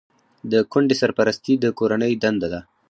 د کونډې سرپرستي د کورنۍ دنده ده.